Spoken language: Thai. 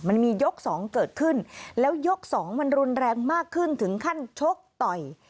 มันมียกสองเกิดขึ้นแล้วยกสองมันรุนแรงมากขึ้นถึงขั้นชกต่อย